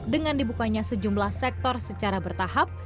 dengan dibukanya sejumlah sektor secara bertahap